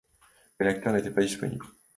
Mais l'acteur n'était pas disponible.